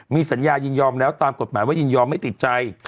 มีสัญญายินยอมแล้วตามกฎหมายว่ายินยอมไม่ติดใจ